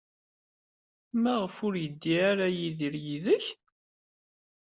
Maɣef ur yeddi ara Yidir yid-k?